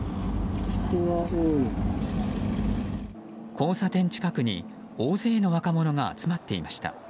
交差点近くに大勢の若者が集まっていました。